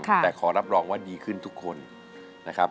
แต่ขอรับรองว่าดีขึ้นทุกคนนะครับ